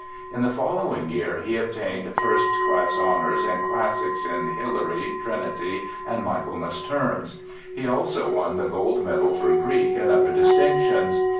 In the following year he obtained First Class Honours in Classics in Hilary, Trinity and Michaelmas Terms; he also won the Gold Medal for Greek and other distinctions.